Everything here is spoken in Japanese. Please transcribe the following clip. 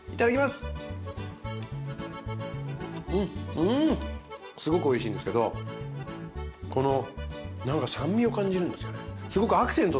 すごくおいしいんですけどこの何か酸味を感じるんですよね。